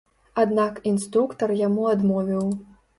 Аднак інструктар яму адмовіў.